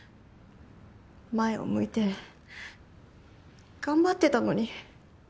前を向いて頑張ってたのに。